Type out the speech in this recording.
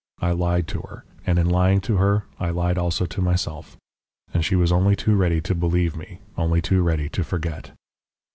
I lied to her, and in lying to her I lied also to myself. And she was only too ready to believe me, only too ready to forget.